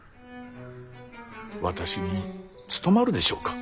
私に務まるでしょうか。